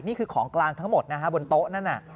นี่คือของกลางทั้งหมดบนโต๊ะนั่น